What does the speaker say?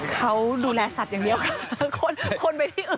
เขาดูแลสัตว์อย่างเดียวก็แล้วนะ